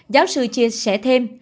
giáo sư chia sẻ thêm